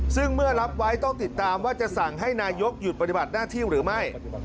ซึ่งเมื่อรับไว้ต้องติดตามว่าจะสั่งให้นายกหยุดปฏิบัติหน้าที่หรือไม่